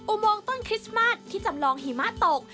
โมงต้นคริสต์มาสที่จำลองหิมะตก